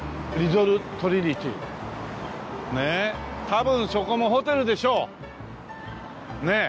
多分そこもホテルでしょう！ねえ？